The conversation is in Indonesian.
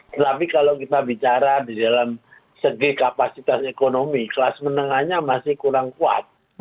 tetapi kalau kita bicara di dalam segi kapasitas ekonomi kelas menengahnya masih kurang kuat